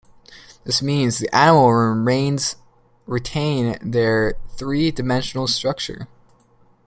This means the animal remains retain their three-dimensional structure.